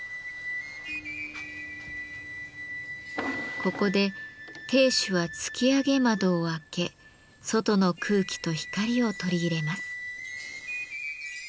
ここで亭主は突き上げ窓を開け外の空気と光を取り入れます。